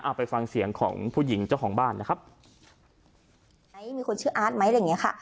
ไปฟังเสียงของผู้หญิงเจ้าของบ้านนะครับไหมมีคนชื่ออาร์ตไหมอะไรอย่างเงี้ยค่ะ